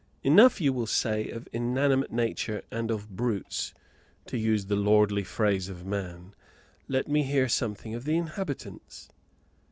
Enough, you will say, of inanimate nature and of brutes, to use the lordly phrase of man; let me hear something of the inhabitants.